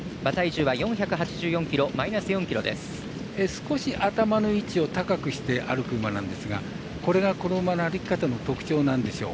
少し頭の位置を高くして歩く馬なんですがこれが、この馬の歩き方の特徴なんでしょう。